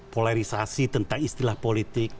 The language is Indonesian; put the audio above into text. polarisasi tentang istilah politik